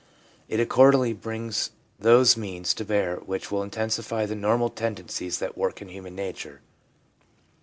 It accordingly brings those means to bear which will intensify the normal tendencies that work in human nature.